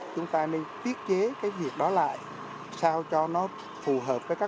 chúng ta nên thiết chế cái việc đó lại sao cho nó phù hợp với các